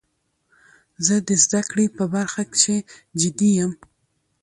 زه د زده کړي په برخه کښي جدي یم.